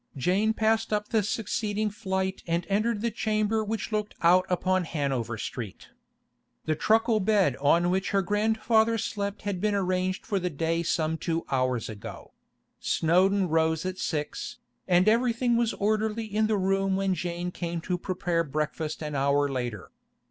Jane passed up the succeeding flight and entered the chamber which looked out upon Hanover Street. The truckle bed on which her grandfather slept had been arranged for the day some two hours ago; Snowdon rose at six, and everything was orderly in the room when Jane came to prepare breakfast an hour later.